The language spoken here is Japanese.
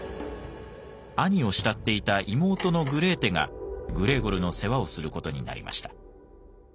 兄を慕っていた妹のグレーテがグレーゴルの世話をする事になりました。